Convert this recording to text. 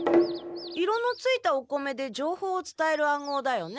色のついたお米で情報をつたえる暗号だよね。